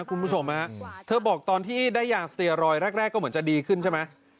คุณผู้ชมฮะเธอบอกตอนที่ได้ยางสเตียรอยแรกก็เหมือนจะดีขึ้นใช่ไหม